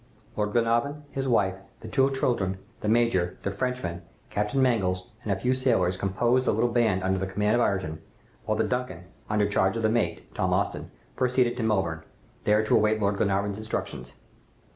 Lord Glenarvan, his wife, the two children, the major, the Frenchman, Captain Mangles, and a few sailors composed the little band under the command of Ayrton, while the 'Duncan,' under charge of the mate, Tom Austin, proceeded to Melbourne, there to await Lord Glenarvan's instructions.